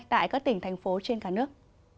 tại các tỉnh thành phố trên cả nước